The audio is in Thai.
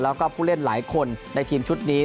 แล้วก็ผู้เล่นหลายคนในทีมชุดนี้